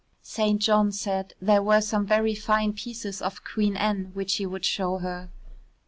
St. John said there were some very fine pieces of Queen Anne which he would show her.